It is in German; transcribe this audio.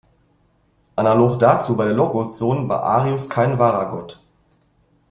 Analog dazu war der Logos-Sohn bei Arius kein wahrer Gott.